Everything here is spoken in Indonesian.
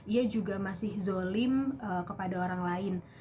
ia juga masih zolim kepada orang lain